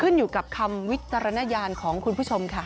อยู่กับคำวิจารณญาณของคุณผู้ชมค่ะ